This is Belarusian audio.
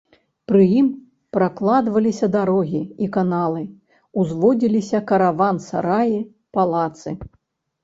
Пры ім пракладваліся дарогі і каналы, узводзіліся караван-сараі, палацы.